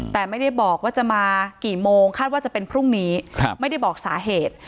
แต่ไม่ได้บอกว่าจะมากี่โมงคาดว่าจะเป็นพรุ่งนี้ไม่ได้บอกสาเหตุ